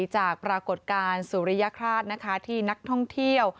จากปรากฏการณ์สุริยคราชที่นักท่องเที่ยว